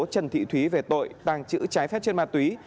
trần thị thúy về tội tàng trữ trái phép trên ma túy